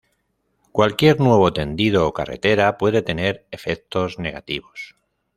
Cualquier nuevo tendido o carretera puede tener efectos negativos.